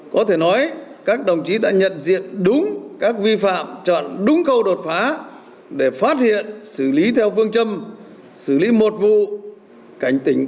có thể nói các đồng chí đã nhận diện đúng các vi phạm chọn đúng câu đột phá để phát hiện xử lý nghiêm minh